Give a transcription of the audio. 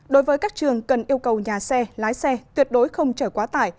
đối với các trường cần yêu cầu nhà xe lái xe tuyệt đối không chở quá tải